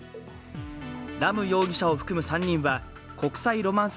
ラム容疑者を含む３人は国際ロマンス